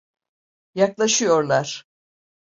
Yaklaşıyorlar.